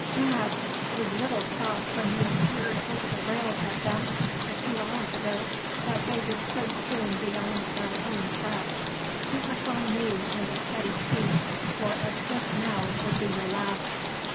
Gad! we little thought when we peered over the rails at them, a few hours ago, that they would so soon be on our own track. Keep a firm knee and a steady seat, for a slip now would be your last.